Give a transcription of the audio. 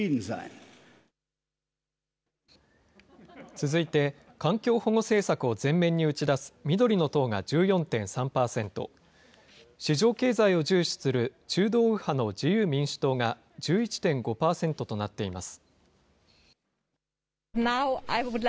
続いて、環境保護政策を前面に打ち出す緑の党が１４．３％、市場経済を重視する中道右派の自由民主党が１１．５％となっています。